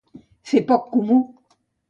Fer poc comú.